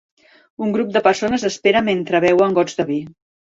Un grup de persones espera mentre beuen gots de vi.